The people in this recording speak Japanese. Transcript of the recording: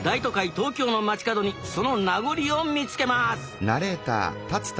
東京の街角にその名残を見つけます